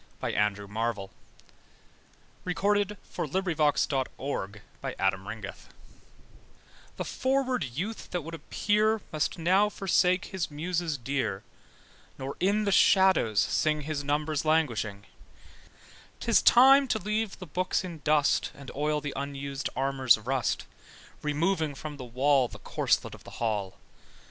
Y Z Cromwell's Return An Horatian Ode upon Cromwell's Return From Ireland THE forward youth that would appear Must now forsake his muses dear, Nor in the shadows sing, His numbers languishing. 'Tis time to leave the books in dust, And oil the unusèd armour's rust: Removing from the wall The corslet of the hall.